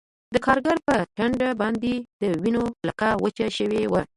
د کارګر په ټنډه باندې د وینو لیکه وچه شوې وه